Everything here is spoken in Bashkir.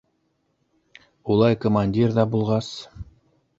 Улай командир ҙа булғас...